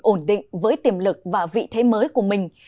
ổn định với tiềm lực và vị thế mới của mình